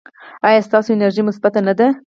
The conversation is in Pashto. ایا ستاسو انرژي مثبت نه ده؟